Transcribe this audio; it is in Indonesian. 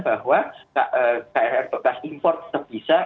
bahwa krl bekas impor tetap bisa